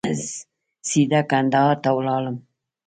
سیده کندهار ته ولاړم.